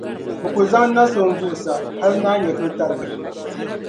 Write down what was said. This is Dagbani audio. bɛ ku zaŋ na’ so m-buɣisi a hali ni a nyɛvili tariga.